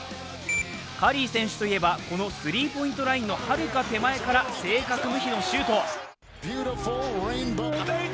カリー選手といえばこのスリーポイントラインのはるか手前から正確無比のシュート。